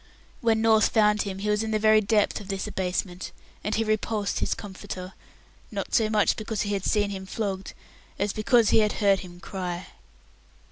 When North found him, he was in the very depth of this abasement, and he repulsed his comforter not so much because he had seen him flogged, as because he had heard him cry.